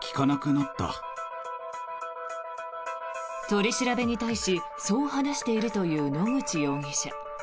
取り調べに対しそう話しているという野口容疑者。